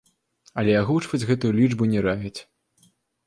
Але агучваць гэту лічбу не раяць.